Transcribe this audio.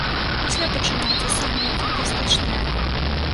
Пасля пачынаецца самае фантастычнае.